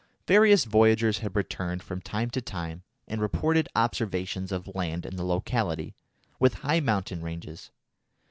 Various voyagers had returned from time to time and reported observations of land in the locality, with high mountain ranges.